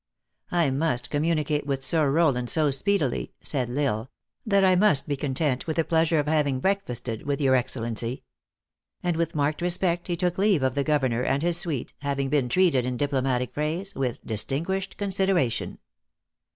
" I must communicate with Sir Rowland so speed ily," said L Isle, " that I must be content with the pleasure of having breakfasted with your Excellency ;" and with marked respect he took leave of the governor and his suite, having been treated in diplomatic phrase with " distinguished consideration."